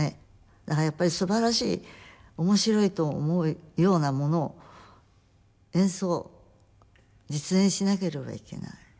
だからやっぱりすばらしい面白いと思うようなものを演奏実演しなければいけない。